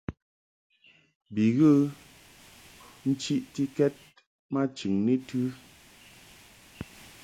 Bi ghə nchiʼtikɛd ma chɨŋni tɨ.